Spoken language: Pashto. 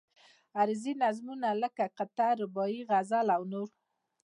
عروضي نظمونه لکه قطعه، رباعي، غزل او نور.